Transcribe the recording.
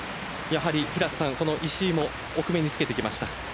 やはり石井も奥めにつけてきました。